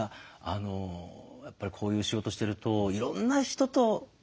やっぱりこういう仕事してるといろんな人とずっとね。